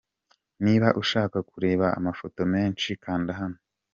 Niba ushaka kureba amafoto menshi, kanda hano:.